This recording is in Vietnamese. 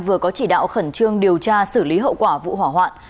vừa có chỉ đạo khẩn trương điều tra xử lý hậu quả vụ hỏa hoạn